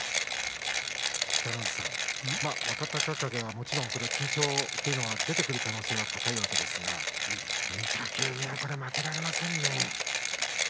北の富士さん、若隆景はもちろん緊張というのは出てくる可能性は高いわけですが御嶽海は負けられませんね。